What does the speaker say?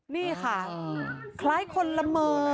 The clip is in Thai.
นี่ค่ะคล้ายคนละเมอ